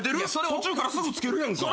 途中からすぐつけるやんか。